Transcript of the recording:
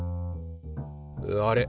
あれ？